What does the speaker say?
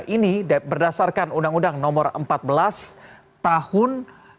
ini berdasarkan undang undang no empat belas tahun dua ribu dua puluh dua